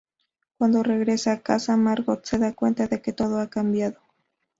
Cuándo regresa a casa, Margot se da cuenta de que todo ha cambiado.